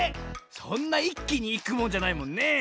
そんないっきにいくもんじゃないもんね。